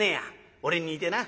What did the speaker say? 俺に似てな。